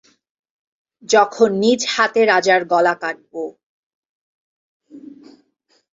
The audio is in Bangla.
যখন নিজ হাতে রাজার গলা কাটবো।